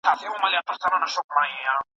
استاد شاګرد ته د موضوع په اړه نوي معلومات ورکړل.